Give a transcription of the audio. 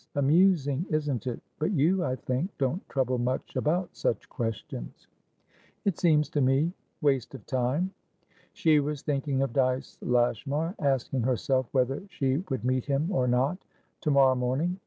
Amusing, isn't it? But you, I think, don't trouble much about such questions." "It seems to me waste of time." She was thinking of Dyce Lashmar, asking herself whether she would meet him, or not, to morrow morning.